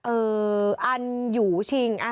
เอออันยูชิง